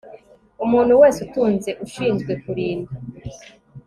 umuntu wese utunze ushinzwe kurinda